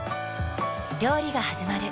料理がはじまる。